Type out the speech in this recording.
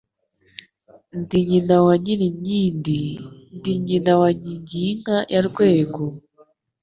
Ndi nyina wa Nyirinkindi, Ndi nyina wa Nkingiy-inka ya Rwego,